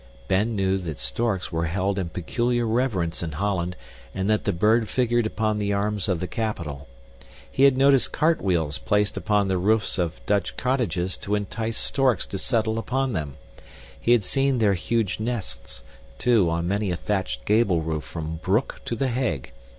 Ben knew that storks were held in peculiar reverence in Holland and that the bird figured upon the arms of the capital. He had noticed cart wheels placed upon the roofs of Dutch cottages to entice storks to settle upon them; he had seen their huge nests, too, on many a thatched gable roof from Broek to The Hague.